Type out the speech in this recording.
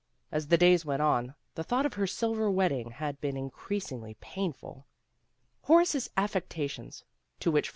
As the days went on, the thought of her silver wedding had been increasingly painful. Horace's affecta tions, to which for.